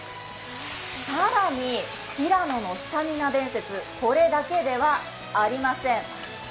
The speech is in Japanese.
更にひらののスタミナ伝説これだけではありません。